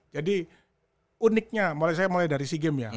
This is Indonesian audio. jadi uniknya saya mulai dari sea games ya